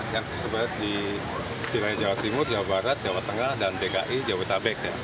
yang tersebut di diraih jawa timur jawa barat jawa tengah dan dki jawa tabek